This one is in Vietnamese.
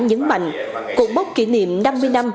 nhấn mạnh cuộc bốc kỷ niệm năm mươi năm